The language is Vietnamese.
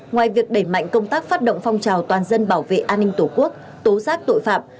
ngoài việc đẩy mạnh công tác phát động phong trào toàn dân bảo vệ an ninh tổ quốc tố giác tội phạm